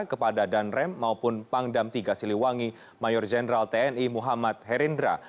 kepada danrem maupun pangdam tiga siliwangi mayor jenderal tni muhammad herindra